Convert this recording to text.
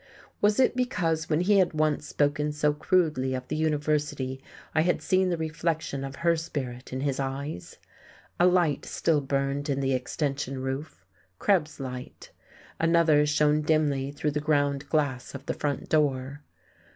Was it because when he had once spoken so crudely of the University I had seen the reflection of her spirit in his eyes? A light still burned in the extension roof Krebs's light; another shone dimly through the ground glass of the front door.